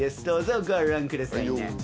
どうぞご覧くださいね。